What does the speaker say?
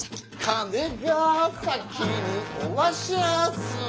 「金ヶ崎におわしゃぁす」